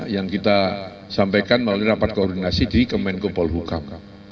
yang kita sampaikan melalui rapat koordinasi di kemenkopol hukam